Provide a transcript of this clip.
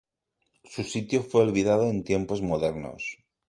Su sitio fue olvidado en tiempos modernos.